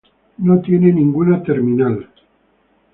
No tiene ninguna terminal.